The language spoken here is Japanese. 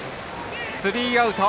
スリーアウト。